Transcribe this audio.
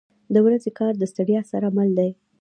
• د ورځې کار د ستړیا سره مل دی.